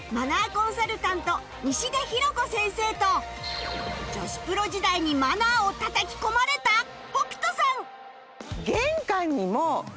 コンサルタント西出ひろ子先生と女子プロ時代にマナーをたたき込まれた北斗さん！